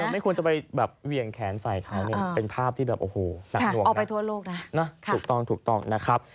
ไม่ควรจะไปแขนเหวี่ยงใส่ค้าเป็นภาพที่แบบเอาไปทั่วโลก